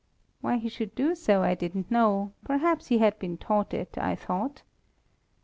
Why he should do so I didn't know; perhaps he had been taught it, I thought.